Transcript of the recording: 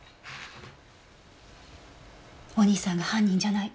お兄さんが犯人じゃない。